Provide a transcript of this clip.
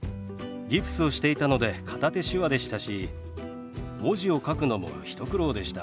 ギプスをしていたので片手手話でしたし文字を書くのも一苦労でした。